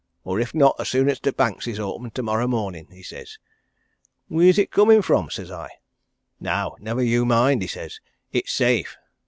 'Or, if not, as soon as t' banks is open tomorrow mornin',' he says. 'Wheer's it coomin' from?' says I. 'Now, never you mind,' he says. 'It's safe!'